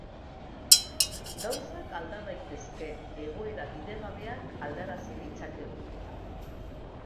Gauzak alda daitezke, egoera bidegabeak aldarazi ditzakegu.